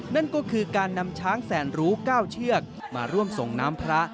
นั่นก็คือการนำช้างแสนรู้๙เชือกมาร่วมส่งน้ำพระ